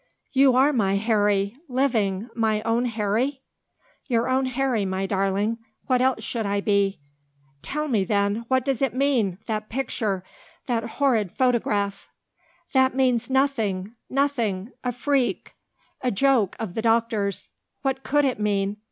"You are my Harry! living! my own Harry?" "Your own Harry, my darling. What else should I be?" "Tell me then, what does it mean that picture that horrid photograph?" "That means nothing nothing a freak a joke of the doctor's. What could it mean?"